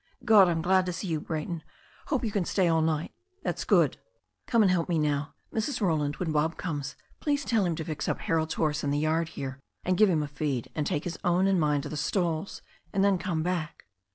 "God! I'm glad to see you, Brayton. Hope you can stay all night? That's good. Come and help me now. Mrs. Roland, when Bob comes, please tell him to fix up Harold's horse in the yard here, and give him a feed, and take his own and mine to the stalls, and then come back."